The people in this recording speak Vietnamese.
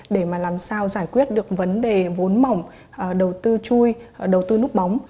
để mà làm sao giải quyết được vấn đề vốn mỏng đầu tư chui đầu tư nút bóng